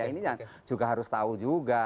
ini juga harus tahu juga